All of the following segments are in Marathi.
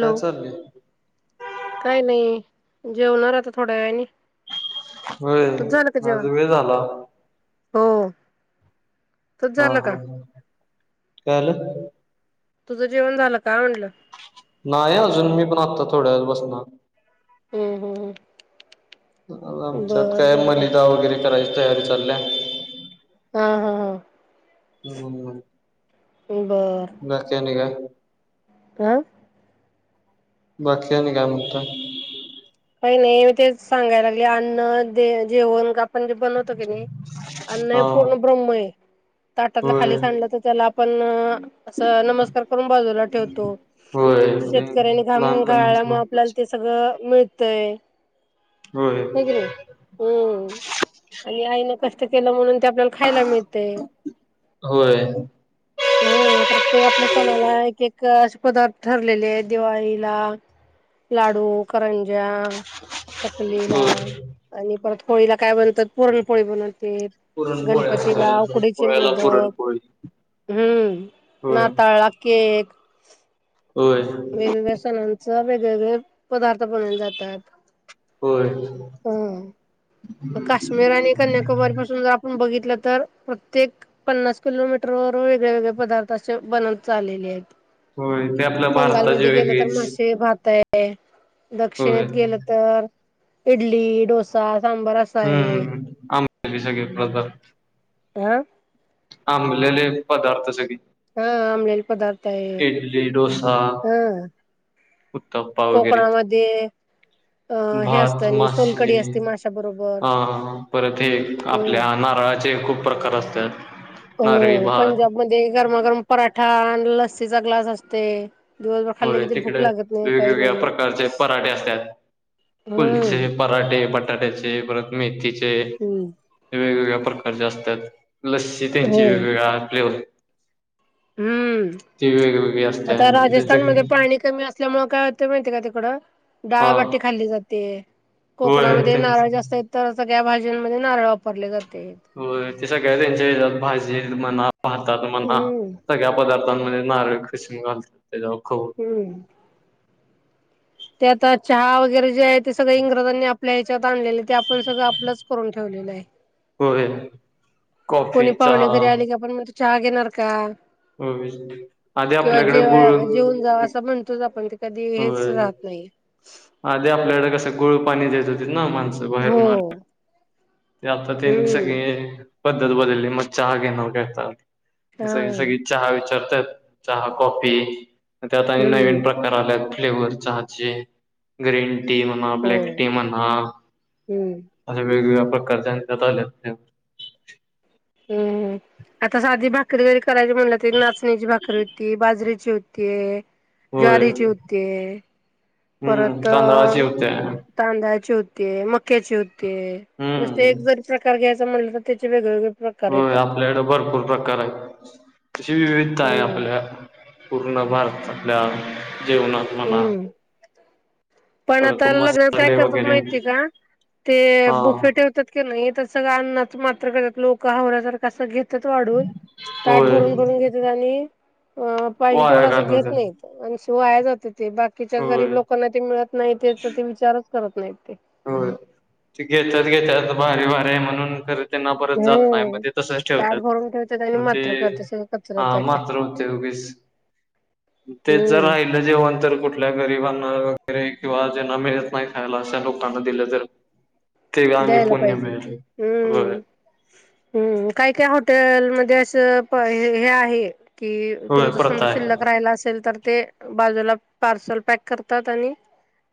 काय चाललंय काय नाही जेवणार आता थोड्या वेळानी. होय, आज वेळ झाला. हो. तुझ हा, झालं का हा, काय झालं? तुझं जेवण झालं काय म्हणलं? नाही अजून, मी पण आता थोड्या वेळात बसणार. हम्म, हम् आमच्यात बर काय बर बर मलिदा वगैरे करायची तयारी चाल्या. हा, हा, हा बाकी आणि काय? काय? बाकी आणि काय म्हणता? काही नाही मी तेच सांगायला लागले अन्न, जेवण, का म्हणजे बनवतो की नाही, अन्न हे हा पूर्ण ब्रह्मा आहे. ताटातला खाली होय साडल तर त्याला आपण असं नमस्कार करून बाजूला ठेवतो. होय ते शेतकऱ्यांनी घाम लहानपणीपासून घाल्यामुळे आपल्याला आपलंच सगळं मिळतंय, होय हो की नाही? हम्म, आणि आईनं कष्ट केलं म्हणून ते आपल्याला खायला मिळतंय. होय ह प्रत्येक आपल्या सणाला एक- एक असे पदार्थ ठरलेले आहेत दिवाळीला लाडू, करंजा, चकलीला होय आणि परत होळीला काय बनतात, पुरणपोळी बनवते. पुरणपोळ्या गणपतीला करायचो. उकडीचे पोळ्याला मोदक पुरणपोळी हम्म, होय नाताळा केक होय. वेगवेगळ्या सणांच, वेगवेगळे पदार्थ बनवले जातात. होय. हम्म काश्मीर आणि कन्याकुमारी पासून जर आपण बघितलं तर प्रत्येक पन्नास किलोमीटर वर वेगळे वेगळे पदार्थ असे बनत चाललेले आहेत. होय ते आपल्या भारताची बंगालमध्ये गेलं तर वेगळीच मासे भात आहे. दक्षिणेत होय गेलं तर इडली, डोसा, सांबार असे हम्म आमच्या घरी सगळे पदार्थ हा आ आंमलेले पदार्थ साठी हा आंमलेल पदार्थ. आहे इडली, डोसा, हा उत्ताप्पा वगैरे कोकणामध्ये अ हे असतं भात आणि मासे सोलकडी असते माश्या बरोबर आम परत एक हम्म आपल्या नारळाचे खूप प्रकार असतात. नारळी हो भात पंजाबमध्ये गरमागरम पराठा आणि लस्सीचा ग्लास असतय. होय तिकडे वेगवेगळ्या नाही प्रकारचे पराठे असतात. हम्म कुलचे पराठे, बटाट्याचे परत मेथीचे हम्म वेगवेगळ्या प्रकारच्या असतात लस्सी हो त्यांची वेगवेगळ्या फ्लेवर ती वेगवेगळी असत्या न. चाणमध्ये पाणी कमी असल्यामुळे काय होते माहितीय का तिकड हा डाळबाट्टी खाल्ली जाते. होय कोकणामध्ये त्यांच नारळ जास्त आहेत तर सगळ्या भाज्यांमध्ये नारळ वापरले जाते. होय ते सगळ्या त्यांच्याात भाजी त म्हणा, भातात म्हणा हम्म सगळ्या पदार्थ [inaudible] नारळ खिसून घालतात त्याच्यावर हम्म ते आता चहा वगैरे जे आहे ते सगळं इंग्रजांनी आपल्या ह्यांच्यात आणलेले ते आपण सगळं आपलंच करून ठे ठेवलेलं आहे. होय. कोणी कॉफी पाहुणे चहा घरी आली की आपण म्हणतो चहा घेणार का? होय आधी किंवा आपल्याकडे जेव गुळ जेवून जा असं म्हणतोच आपण. कधी वेळीच राहत नाही. आली आपल्याकडे कसं गुळ पाणी देत होतीत ना माणसं हो बाहेरून आले की ते आता त्यांनी हम्म सगळी पद्धत बदलली मग चहा घेणार का आता हा असं सगळी चहा विचारतात चहा कॉफी त्यात आणि हम्म नवीन प्रकार कराल्यात फ्लेवर चहाचे ग्रीन टी म्हणा ब्लॅक होय टी म्हणा हम्म अशा वेगवेगळ्या प्रकारचे आणि त्यात आल्यात ह ह आता साधी भाकरी करायची म्हणलं तर नाचण्याची भाकरी होती, बाजरीेची होतीय. होय ज्वारीची होतीय हम्म परत तांदळाची होत्या तांदळाची होते, मक्याचे होते नुसते एक हम्म जर प्रकार घ्यायचं म्हटलं तर त्याचे वेगवेगळे प्रकार होय येतात. आपल्याकडे भरपूर प्रकार आहे. तशी विविधता आहे हम्म आपल्यात पूर्ण भारतातल्या जेवनात म्हणा. हम्म पण परत आता लग्नात काय मसाले करतात वगैरे माहिती आहे का ते हा बफे ठेवतात. नाही तर सगळं अन्नाच मात्र करतात लोक हावरा सारखा अस घेतात. घेतात वाढून ताट होय भरून भरून घेतेत आणि पाहिजे वाया तेवढं असं घेत घालवतात नाहीत. आणि अन्न वाया जाते ते बाकीच्या गरीब होय लोकांना ते मिळत नाही त्याचा ते विचारच करत नाहीत ते हो ते घेतात घेतात भारी भारी म्हणून तर त्यांना परत जात नाही मग हम्म ते तसच ताट ठेवतात भरून ठेवतात आणि मग मात्र ते जात नाही करते मग सगळं कचऱ्यात ते जाते मात्र होत ऊगीस. [inaudible] तेच जर हम्म राहिल. जेवण तर कुठल्या गरीबांना वगैरे किंवा जे ना मिळत नाही खायला अशा लोक [inaudible] दिलं तरं. द्यायला पाहिजे ते होय हम्म हम्म काय काय हॉटेल मध्ये असं. होय हे आहे की होय तुमच सगळ प्रथा आहे शिल्लक कोणीरायला असेल तर ते बाजूला पार्सल पॅक करतात आणि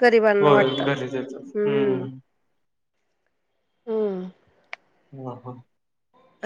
गरीबांना होय वाटतात घरी देतात हम्म हम्म ह ह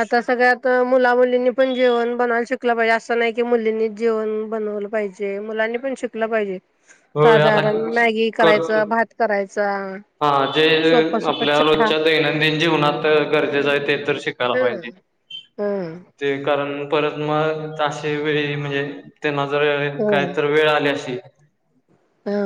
आता सगळ्यात मुला मुलींनी पण जेवण बनवायला शिकलं पाहिजे असं नाही की मुलींनी जेवण बनवलं पाहिजे. मुलांनी पण शिकलं पाहिजे होय आता साधारण मॅगी करायच, करतो. भात करायच. हा जे आपल्या रोजच्या दैनंदिन जीवनात गरजेचं आहे ते तर शिकायला ह पाहिजे. ह ते कारण परत मगता वेळी म्हणजे ते ना जर ह काहीतर वेळ आली अशी हा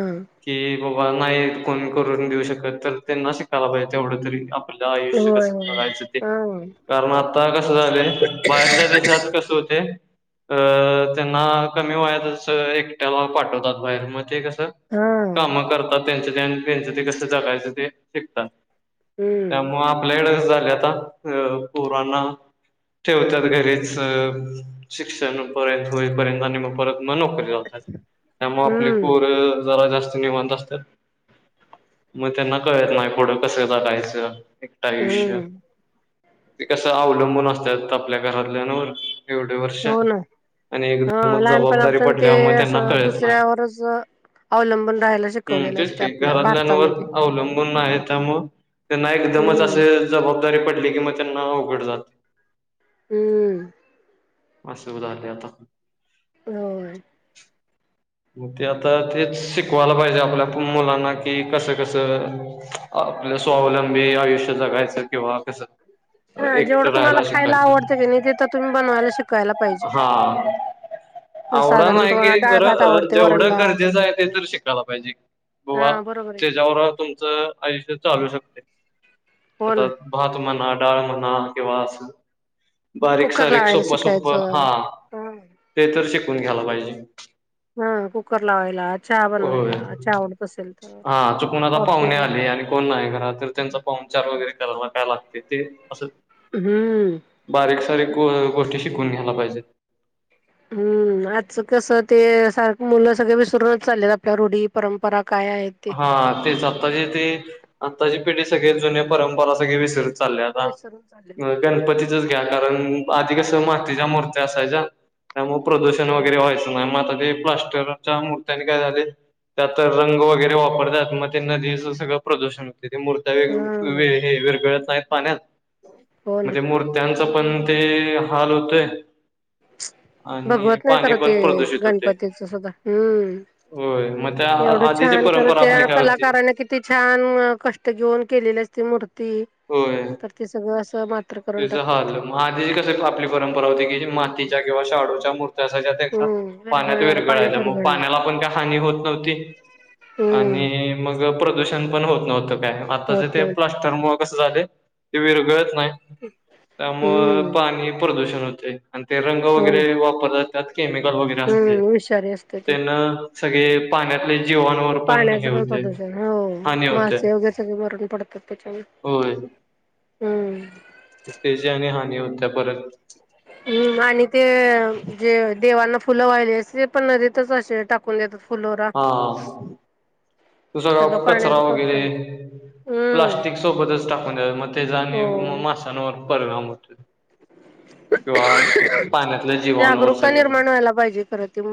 कि बाबा नाही कोण करून देऊ शकत तर त्यांना शिकायला पाहिजे एवढं तरी आपल आयुष्य होय कस होय होय काढायचं ते हा कारण आता कसं झाले बाहेरच्या देशात कस होते. अ त्यांना कमी वयातच एकट्याला पाठवतात बाहेर मग. ते कस हा काम करतात ते त्यांच ते त्यांच ते कस जगायच ते शिकतात. हम्म त्यामुळे आपल्या कडे कसं झालंय आता पोरांना ठेवतात घरीच शिक्षण पूर्ण होईपर्यंत आणि मग परत नोकरी त्यामुळे आपले हम्म पोर जरा जास्तच निवांत असतात. मग त्यांना कळत नाही पुढे कस जगायच. आयुष्य हम्म ते कस अवलंबून असतात आपल्या घरातल्यांवर एवढ वर्ष हो ना आणि हा एकदमच जबाबदारी लहानपणापासून ते पडल्यावर मग अस त्यांना कळत नाही दुसऱ्यावरच अवलंबून राहाला. हम तेच की घरातल्यांवर अवलंबून आहे त्यामुळं त्यांना एकदमच हम्म असे जबाबदारी पडली कि मग त्यांना अवघड जाते. हम्म अस झाले आता. होय. मग ते आता ते शिकवायला पाहिजे आपल्या मुलांना कि कस कस आपल्या स्वावलंबी आयुष्य जगायचं किंवा कस हा एकट जेवढं तुम्हाला राहायला खायला शिकायच आवडतं की नाही ते तर तुम्ही बनवायला शिकायला पाहिजे हा एवढ साधारण नाही तुम्हाला ते डाळ बर. भात आवडते जेवढ वरण भात गरजेच आहे ते तर शिकायला पाहिजे की हा बरोबर आहे की बा तुमच आयुष्य चालू शकते हो आता ना भात म्हाना, डाळ म्हना किवा अस बारीक कुकर सारीक लावायला सोप्प सोप्प हा शिकायचं ते तर शिकून घ्यायला पाहिजे. हा कुकर लावायला, चहा होय. बनवायला, चहा आवडत असेल तर हा चुकून आता कॉफी पाहुणे पण आले आणि कोण नाही घरामध्ये तर त्यांचा पायुणचार वगैरे करायला काय लागते ते अस हम्म बारीक सारीक ग गोष्टी शिकून घ्यायला पाहिजेत. हम्म आजचं कसं ते सारख मुलं सगळे विसरूनच चाललेत आपल्या रूढी परंपरा काय आहे हा तेच आताची ती आत्ताची पिढी सगळे जुने परंपरा सगळी विसर चालल्याता विसरून चाललेत गणपतीचच घ्या कारण आधी कस मातीच्या मूर्त्या असायच्या त्यामुळे प्रदूषण वगैरे व्हायचं नाही मग आ ते प्लास्ट तर त्या मूर्त्यानी काय झालय त्यात रंग वगैरे ते वापरत्यात मग ते सगळं प्रदूषण तेथे मूर्त्या हा वेग हे विरघळत आहेत पाण्यात हो ना म्हणजे मुर्त् त्यांच पण ते हाल होतय बगवत नाही खरं पण ते प्रदूषित होते गणपतीचं सगळं हम्म होय म त्या आधीच्या पर तर त्या कलाकाराने किती छान कष्ट घेऊन केलेली असती मूर्ती होय तर ते सगळं असं मात त्याझ हाल म आधीची कस आपली परंपरा होती की मातीच्या किंवा शाडूच्या मूर्त्या असायच्या हम्म पाण्यात विरघळणार पाण्यात विरगळायच्या मग विरघळणार पाण्याला पण काही हानी होत नव्हती हम्म आणि मग प्रदूषण पण होत नव्हतं काय आता ज होत ते नव्हत प्लास्टर मुळ कस झालय ते विरगळत नाही त्यामूळ हम्म पाणी प्रदूषण होतय आणि ते रंग हो वगैरे वापरतात त्यात केमिकल वगैरे असते हम्म विषारी असते ते. त्यांन सगळे पाण्यातले जीवांवर पण हे पाण्याचं होते प्रदूषण हो हानी होते मासे वगैरे सगळे मरून पडतात त्याच्यामुळे होय हम्म तेजी आणि हानी होत्या परत हम्म आणि ते जे देवांना फुलं व्हाहिली ते पण नदीतच असे टाक पुण्याचा फुलोरा हा तो सगळा सगळं कचरा पाण्याचं वगैरे प्रदूषण हम्म प्लास्टिक सोबतच टाकून द्या मग त्याचा आणि म हो. माशांवर परिणाम होतोय किंवा पाण्यातल्या जीवावर जागरूकता सगळ्या [unintelligible] व्हायला पाहिजे खरं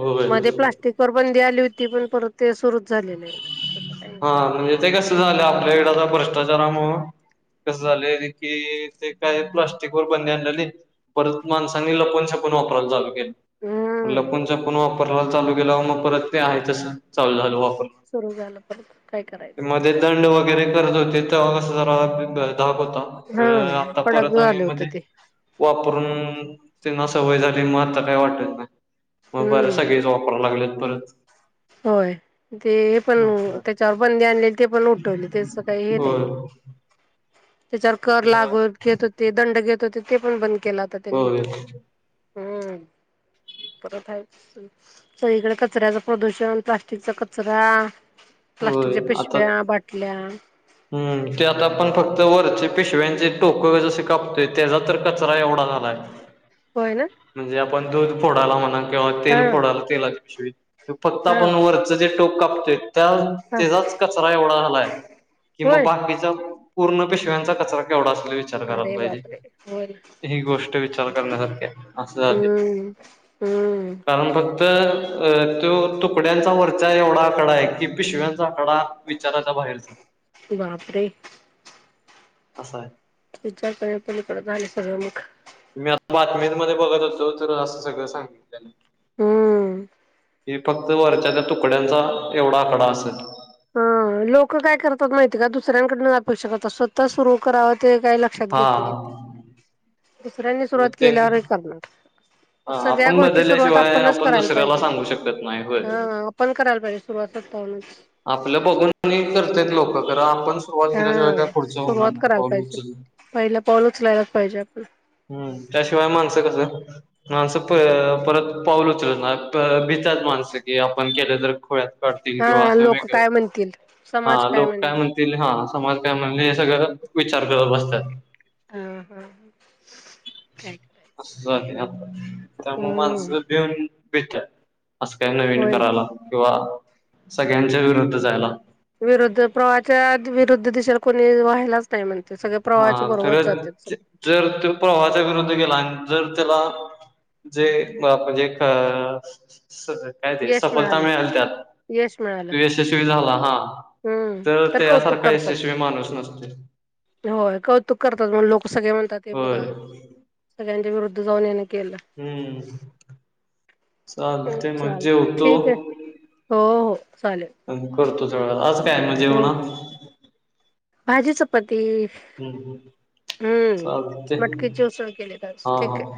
होय बंदी आली होती पण परत ते सुरूच झालेले आहे हा म्हणजे ते कस झालं आपल्या इकड भ्रष्टाचारामूळ कस झाले की ते काय प्लास्टिक वर बंदी आणलेली परत माणसांनी लपवून छपून वापरावला चालू हम्म लपून छपून वापरायला चालू केला मग परत ते आहे तस चालू झाल वाप सुरू झालं परत काय करायचं आता थंड वगैरे करत होतेत तेव्हा कस जरा धाक होता हा आता कडक परत आणि झालं होतं मध्ये ते वापरून त्यांना सवय झाली मग आता काय वाटत नाही मग बरं हम्म सगळेच वाप वापरय लागलेत परत होय ते पण त्याच्यावर बंदी आणलेली ते पण उठवली तेच काही हे होय नाही त्याच्यावर कर लागव घेत होते दंड घेत होते ते पण बंद केला होता त्यांनी होय हम्म परत आहे सगळीकडे कचऱ्याच प्रदूषण त्यामुळ प्लास्टिकचा कचरा होय प्लास्टिकच्या पिशव्या बाटल्या हम् ते आता आपण फक्त वरचे पिशव्यांचे टोक जसे कापतोय त्याचा तर कचरा एवढा झालाय होय ना म्हणजे आपण दूध फोडायला म्हणा किंवा हा तेल फोडायल तेलाच्या पिशवी फक्त हा आपण वरचं जे टोक कापतोय त्या हा त्याचाच कचरा एवढा झालाय कि मग होय बाकीचा पूर्ण पिशव्यांचा कचरा केवढा असेल. विचार करायला अरे पाहिजे बापरे होय ही गोष्ट विचार करण्यासारख्या असणार हम्म हम्म कारण फक्त अ तो तुकड्यांचा वरचा एवढा आकडा आहे कि पिशव्यांचा आकडा विचाराचा बाहेरचा ते बापरे असंय विचार कर पलीकडे झालंय सगळं मग मी आता बातमीमध्ये बघत होतो तर असं सगळं सांगितल्याल. हम्म ही फक्त वरच्या त्या तुकड्यांचा एवढा आकडा असेल. अ लोक काय करतात माहितीय का दुसऱ्यांकडन अपेक्षा करतात स्वतः सुरु करावं ते काय लक्षात हा घेत नाही दुसऱ्यांनी मग सुरुवात ते केल्यावर हे करणार. हा सगळ्या आपण गोष्टी सुरुवात बदलल्याशिवाय आपणच आपण करायला दुसऱ्याला पाहिजे सांगू शकत नाही होय ह आपण करायला पाहिजे. सुरुवात [unintelligible] आपलं बघून आणि करतात लोक कारण आपण सुरुवात केल्याच्या वे काय पुढचं होणार नाही पाऊल उचललं पहिला पाऊलच उचलायला पाहिजे आपण. हम्म त्याशिवाय माणसं कसं माणसं परत पाऊल उचलत ना भितात माणसं की आपण केलं तर खोळ्यात काढतील किंवा हा असं लोक वेगळं काय म्हणतील समाज हा लोक काय म्हणेल. म्हणतील. हा समाज काय म्हणेल हे सगळं विचार करत बसतात. हा हा थँकू. असं झाले आ त्यामुळे हम्म माणसं बिऊन भेटातात. असं काही नवीन होय ना. करायला किंवा सगळ्यांच्या विरुद्ध जायला. विरुद्ध प्रवाहाच्या विरुद्ध दिशेला कोणी व्हायलाच नाही म्हणते सगळं. हा प्रवाहाच्या बरोबर खरं जातात ज- सगळं. जर तो प्रवाच्या विरुद्ध गेला आणि जर त्याला जेजे काय ते यश सफलता मिळालं मिळेल त्यात यश मिळालं यशस्वी झाला हा हम्म तर कौतुक त्यासारखा करतात. यशस्वी माणूस नसतोय. होय कौतुक करतात म्हण लोक सगळे म्हणतात ते होय बघा. सगळ्यांच्या विरुद्ध जाऊन याने केलं. हम्म चालतंय ते मग चालत जेवतो. ठीक आहे हो हो चालेल करतो आज काय मग हो जेवणात? भाजी चपाती. हम्म हम्म चालते मटकीचे उसळ केली हा ठीक हा आहे.